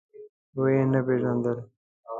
ويې نه پيژاندل.